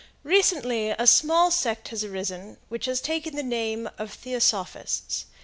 Recently a small sect has arisen, which has taken the name of Theosophists.